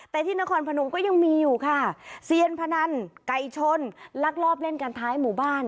แต่ที่นครพนมก็ยังมีอยู่ค่ะเซียนพนันไก่ชนลักลอบเล่นกันท้ายหมู่บ้าน